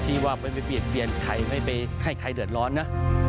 ที่ว่าไม่มีเปลี่ยนใครไม่ไปให้ใครเดินร้อนนะ